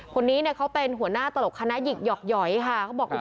พนนี้เขาเป็นหัวหน้าตลกคณะหญิกย่อกค่ะ